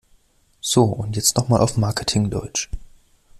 So, und jetzt noch mal auf Marketing-Deutsch!